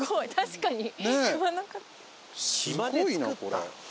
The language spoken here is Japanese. すごいなこれ。